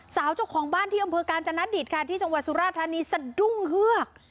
สาวอำเภอการ์นจะนัดดิตที่สุรธานีก็สดุ้งเหือก